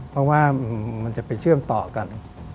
เพราะว่ามันจะไปเชื่อมต่อกัน